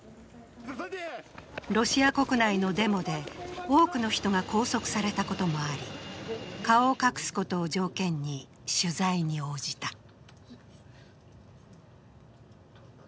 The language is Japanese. ロシア国内のデモで多くの人が拘束されたこともあり、顔を隠すことを条件に取材に応じた。